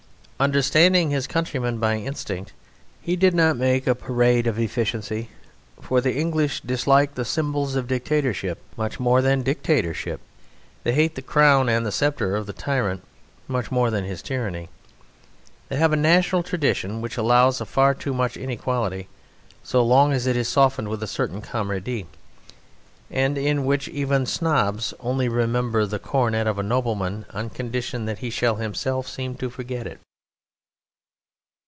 Understanding his countrymen by instinct, he did not make a parade of efficiency; for the English dislike the symbols of dictatorship much more than dictatorship. They hate the crown and sceptre of the tyrant much more than his tyranny. They have a national tradition which allows of far too much inequality so long as it is softened with a certain camaraderie, and in which even snobs only remember the coronet of a nobleman on condition that he shall himself seem to forget it.